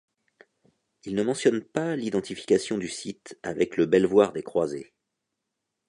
Ils ne mentionnent pas l'identification du site avec le Belvoir des croisés.